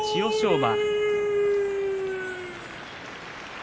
馬。